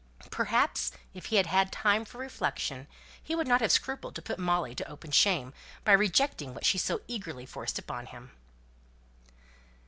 Perhaps, if he had had time for reflection he would not have scrupled to put Molly to open shame, by rejecting what she so eagerly forced upon him.